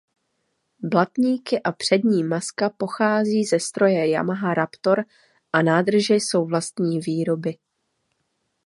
Blatníky a přední maska pochází ze stroje Yamaha Raptor a nádrže jsou vlastní výroby.